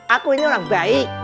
aku ini orang baik